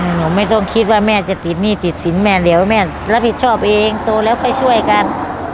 หนูไม่ต้องคิดว่าแม่จะติดหนี้ติดสินแม่เดี๋ยวแม่รับผิดชอบเองโตแล้วไปช่วยกัน